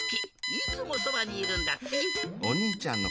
いつもそばにいるんだって。